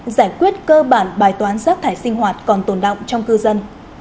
giải quyết cơ bản bài toán rác thải sinh hoạt còn tồn động trong cư dân